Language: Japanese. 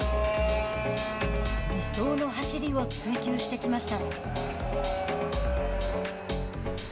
理想の走りを追求してきました。